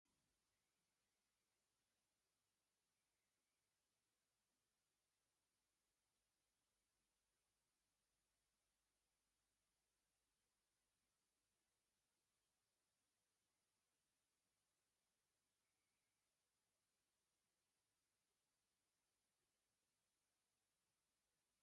no audio